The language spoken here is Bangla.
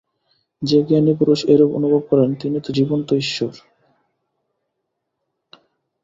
যে জ্ঞানী পুরুষ এইরূপ অনুভব করেন, তিনি তো জীবন্ত ঈশ্বর।